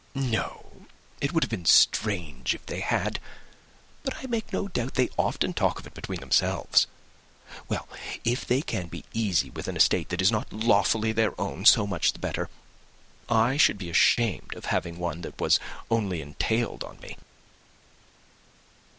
"No; it would have been strange if they had. But I make no doubt they often talk of it between themselves. Well, if they can be easy with an estate that is not lawfully their own, so much the better. I should be ashamed of having one that was only entailed on me."